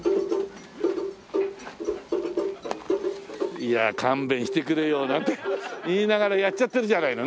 いや勘弁してくれよなんて言いながらやっちゃってるじゃないの。